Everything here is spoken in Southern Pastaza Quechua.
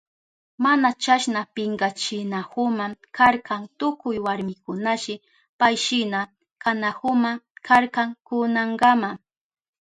Mana chasna pinkachinahuma karka tukuy warmikunashi payshina kanahuma karka kunankama.